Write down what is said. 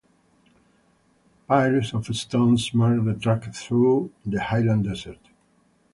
Piles of stones mark the track through the highland desert.